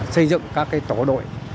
xây dựng các tổ đội